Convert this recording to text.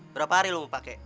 berapa hari lo mau pake